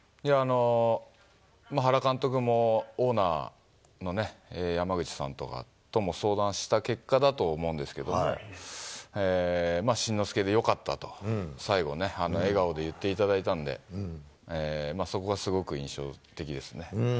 原監督も、オーナーのね、山口さんとも相談した結果だと思うんですけれども、慎之助でよかったと、最後ね、笑顔で言っていただいたんで、そこがすごく印象的ですね。